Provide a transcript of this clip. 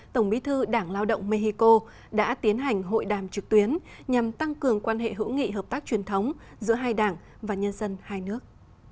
tổng bí thư đảng lao động mexico đã tiến hành hội đàm trực tuyến nhằm tăng cường quan hệ hữu nghị hợp tác truyền thống giữa hai đảng và nhân dân hai nước